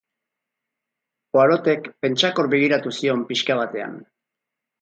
Poirotek pentsakor begiratu zion pixka batean.